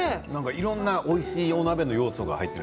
いろいろな、おいしいお鍋の要素が入っている。